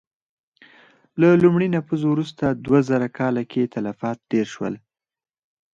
له لومړي نفوذ وروسته دوه زره کاله کې تلفات ډېر شول.